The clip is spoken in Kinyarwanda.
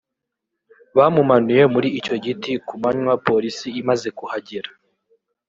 Bamumanuye muri icyo giti ku manywa Polisi imaze kuhagera